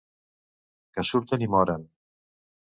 Que surten i moren.